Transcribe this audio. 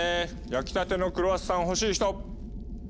焼きたてのクロワッサン欲しい人？